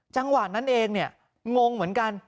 จังหวัดนั้นเองงงเหมือนกัน